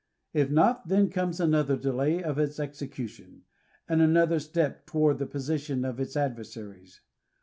If not, then comes another delay of its execution, and another step toward the position of its adversaries.